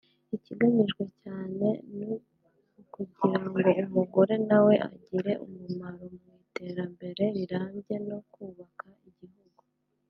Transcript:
Ikigamijwe cyane ni ukugira ngo umugore nawe agire umumaro mu iterambere rirambye no kubaka igihugu